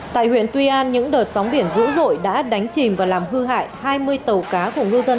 tại huyện tuy an những đợt sóng biển dữ dội đã đánh chìm và làm hư hại hai mươi tàu cá của ngư dân